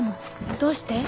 どうして？